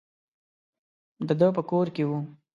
د ده په کور کې وو.